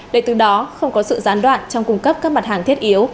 để từ đó không có sự gián đoạn trong cung cấp các mặt hàng thiết yếu